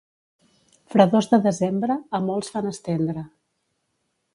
Fredors de desembre, a molts fan estendre.